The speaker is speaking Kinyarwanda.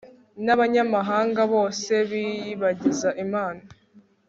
n'abanyamahanga bose biyibagiza imana